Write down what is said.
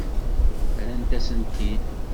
Rrant-asen-tent-id.